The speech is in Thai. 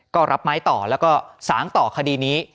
ก็รับไม้ต่อแล้วก็สารต่อคดีนี้